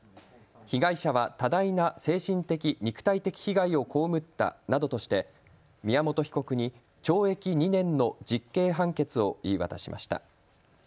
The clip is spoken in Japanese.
被害者は多大な精神的、肉体的被害を被ったなどとして宮本被告に懲役２年の実刑判決を言い渡しました。